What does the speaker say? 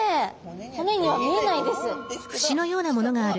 骨には見えないです。